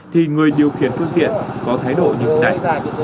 thì người điều khiển phương tiện có thái độ như thế này